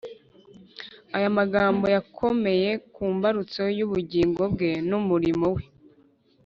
” Aya magambo yakomye ku mbarutso y’ubugingo bwe n’umurimo we